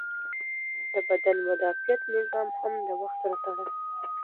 د بدن مدافعت نظام هم د وخت سره تړلی دی.